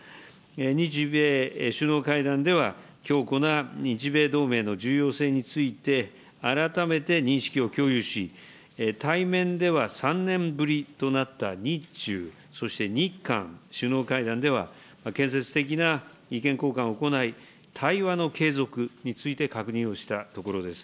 日米首脳会談では、強固な日米同盟の重要性について、改めて認識を共有し、対面では３年ぶりとなった日中、そして日韓首脳会談では、建設的な意見交換を行い、対話の継続について確認をしたところです。